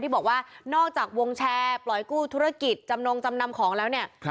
บอกว่านอกจากวงแชร์ปล่อยกู้ธุรกิจจำนงจำนำของแล้วเนี่ย